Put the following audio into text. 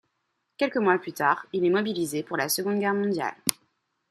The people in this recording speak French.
Quelques mois plus tard, il est mobilisé pour la seconde Guerre mondiale.